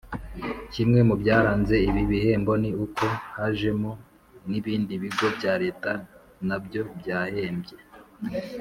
Kimwe mu byaranze ibi bihembo ni uko hajemo n ibindi bigo bya Leta nabyo byahembye